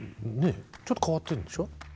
ちょっと変わってるんでしょ？